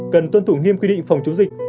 cần tuân thủ nghiêm quy định phòng chống dịch